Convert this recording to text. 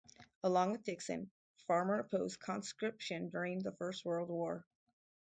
Along with Dixon, Farmer opposed conscription during the First World War.